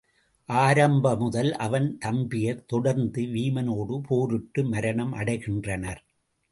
ஆரம்ப முதல் அவன் தம்பியர் தொடர்ந்து வீமனோடு போரிட்டு மரணம் அடைகின்றனர்.